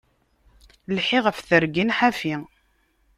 Lḥiɣ ɣef tergin ḥafi.